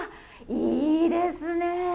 いいですねー！